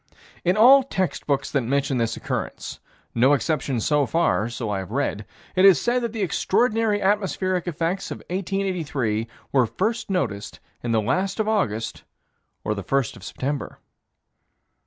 In all text books that mention this occurrence no exception so far so I have read it is said that the extraordinary atmospheric effects of 1883 were first noticed in the last of August or the first of September.